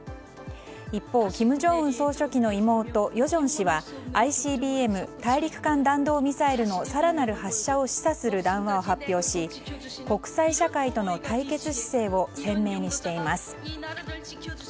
一方、金正恩総書記の妹与正氏はＩＣＢＭ・大陸間弾道ミサイルの更なる発射を示唆する談話を発表し国際社会との対決姿勢を鮮明にしています。